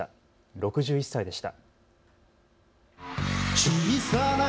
６１歳でした。